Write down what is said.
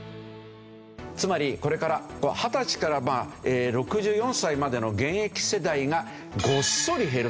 つまりこれから二十歳から６４歳までの現役世代がごっそり減る。